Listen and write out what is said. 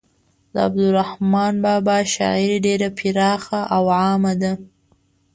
د عبدالرحمان بابا شاعري ډیره پراخه او عامه ده.